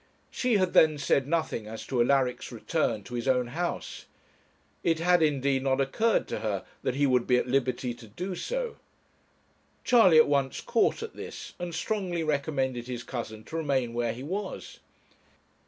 She had then said nothing as to Alaric's return to his own house; it had indeed not occurred to her that he would be at liberty to do so: Charley at once caught at this, and strongly recommended his cousin to remain where he was.